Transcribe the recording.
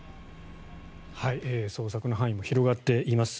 捜索の範囲も広がっています。